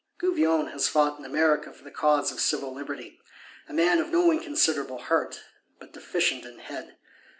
Gouvion has fought in America for the cause of civil Liberty; a man of no inconsiderable heart, but deficient in head.